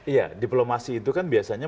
iya diplomasi itu kan biasanya